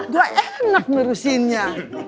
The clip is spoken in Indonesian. gue enak menurusinnya